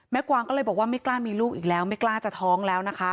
กวางก็เลยบอกว่าไม่กล้ามีลูกอีกแล้วไม่กล้าจะท้องแล้วนะคะ